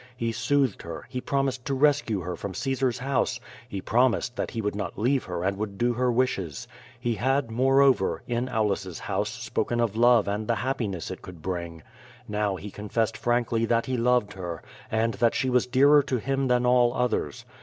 He soothed her, he promised to rescue her from Caesar's house, he promised that he would not leave her and would do her wishes. He had, moreover, in Aulus's house spoken of love and the happiness it could bring. Now he confessed frankly that he loved her, and that she was dearer to him than all others.